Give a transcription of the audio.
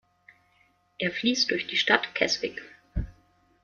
Er fließt durch die Stadt Keswick.